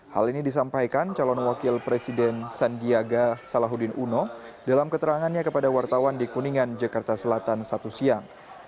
hal ini disampaikan calon wakil presiden sandiaga salahuddin uno dalam keterangannya kepada wartawan di kuningan jakarta selatan satu siang